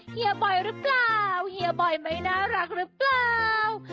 เฮียบอยหรือเปล่าเฮียบอยไม่น่ารักหรือเปล่า